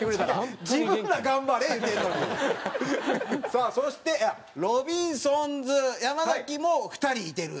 さあそしてロビンソンズ山も２人いてる。